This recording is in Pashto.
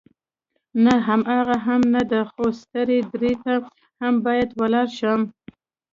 نه، هماغه هم نه ده، خو سترې درې ته هم باید ولاړ شم.